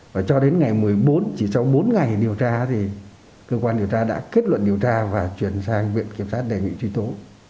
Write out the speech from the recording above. và cho đến ngày một mươi bốn chỉ sau bốn ngày điều tra thì cơ quan điều tra đã kết luận điều tra và chuyển sang viện kiểm sát đề nghị truy tố